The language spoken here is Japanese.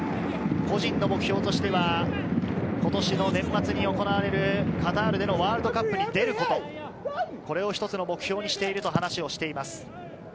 個人の目標としては今年の年末に行われるカタールでのワールドカップに出ること、これを一つの目標にしていると話をしています。